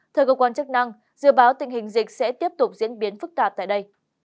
theo cơ quan chức năng dự báo tình hình dịch sẽ tiếp tục diễn biến phức tạp tại đây